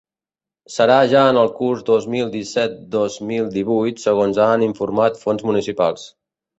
Serà ja en el curs dos mil disset-dos mil divuit, segons han informat fonts municipals.